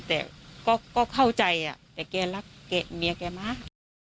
แต่ก็เข้าใจแต่แกรักเมียแกมาก